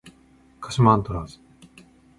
鹿島アントラーズ